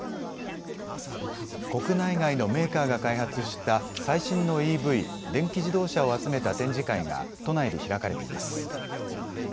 国内外のメーカーが開発した最新のＥＶ・電気自動車を集めた展示会が都内で開かれています。